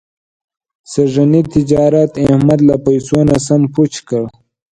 سږني تجارت احمد له پیسو نه سم پوچ کړ.